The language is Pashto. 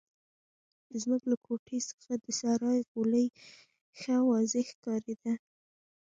زموږ له کوټې څخه د سرای غولی ښه واضح ښکارېده.